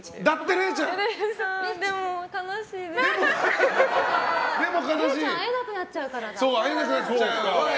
れいちゃん会えなくなっちゃうからだ。